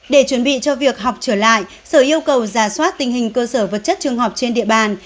để chuẩn bị cho việc học trở lại sở yêu cầu giả soát tình hình cơ sở vật chất trường học trên địa bàn